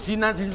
ini jadi baru